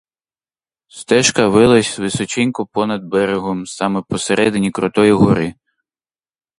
Стежка вилась височенько понад берегом саме посередині крутої гори.